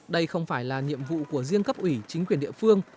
đây không phải là nhiệm vụ của riêng cấp ủy chính quyền địa phương